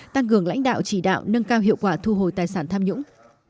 tăng cường lãnh đạo chỉ đạo nâng cao hiệu quả thu hồi tài sản tham nhũng